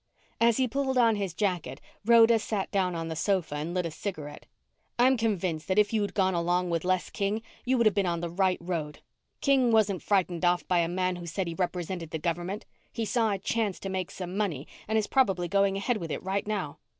As he pulled on his jacket, Rhoda sat down on the sofa and lit a cigarette. "I'm convinced that if you'd gone along with Les King you would have been on the right road. King wasn't frightened off by a man who said he represented the government. He saw a chance to make some money and is probably going ahead with it right now."